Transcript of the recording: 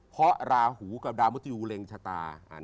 เพราะราหูกับดาวมุติยูเร็งชะตา